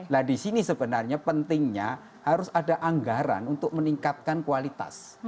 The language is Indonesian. nah di sini sebenarnya pentingnya harus ada anggaran untuk meningkatkan kualitas